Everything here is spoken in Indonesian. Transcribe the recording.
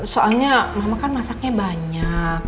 soalnya mama kan masaknya banyak